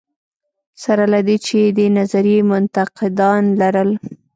سره له دې چې دې نظریې منتقدان لرل.